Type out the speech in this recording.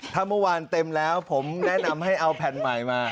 ถ้าเมื่อวานเต็มแล้วผมแนะนำให้เอาแผ่นใหม่มา